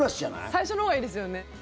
最初のほうがいいですよね。